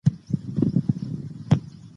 آیا د تعلیم کمښت د ټولنیزو ستونزو لامل دی؟